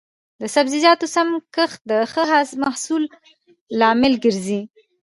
د سبزیجاتو سم کښت د ښه محصول لامل ګرځي.